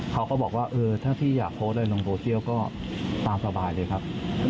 เขาก็บอกว่าเออถ้าพี่อยากโพสต์อะไรลงโซเชียลก็ตามสบายเลยครับ